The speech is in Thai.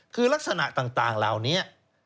คือลักษณะต่างเหล่านี้